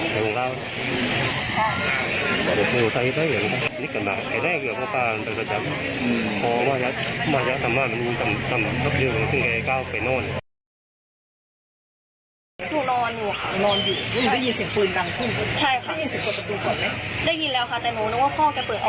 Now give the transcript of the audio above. หนูนอนดูอ่ะค่ะแบบว่าเพราะว่าเปิดพักเข้าไปเลยค่ะแบบว่าปกติประตูมันเสียงดังอยู่แล้วอะค่ะ